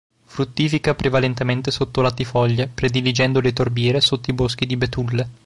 Fruttifica prevalentemente sotto latifoglie prediligendo le torbiere sotto i boschi di betulle.